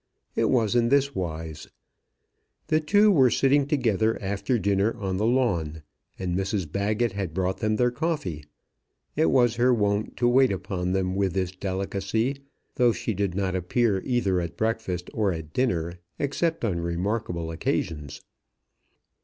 It was in this wise. The two were sitting together after dinner on the lawn, and Mrs Baggett had brought them their coffee. It was her wont to wait upon them with this delicacy, though she did not appear either at breakfast or at dinner, except on remarkable occasions.